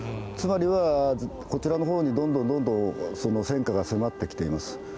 つまりは、こちらのほうにどんどんどんどん戦火が迫ってきています。